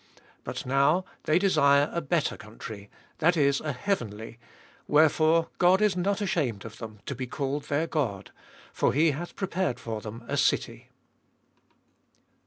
16. But now they desire a better country, that is a heavenly : wherefore God is not ashamed of them, to be called their God: for He hath prepared for them a city.